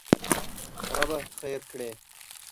ربه خېر کړې!